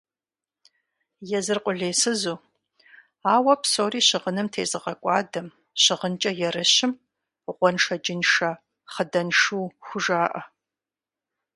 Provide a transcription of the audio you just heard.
Езыр къулейсызу, ауэ псори щыгъыным тезыгъэкӀуадэм, щыгъынкӀэ ерыщым гъуэншэджыншэ хъыданшу хужаӀэ.